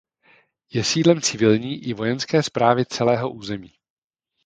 Je sídlem civilní i vojenské správy celého území.